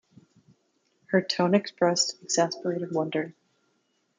Her tone expressed exasperated wonder.